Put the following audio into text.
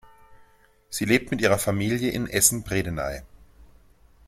Sie lebt mit ihrer Familie in Essen-Bredeney.